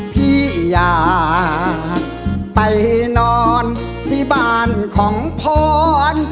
พี่อยากไปนอนที่บ้านของพร